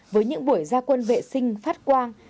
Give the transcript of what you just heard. với những buổi gia quân vệ sinh phát quang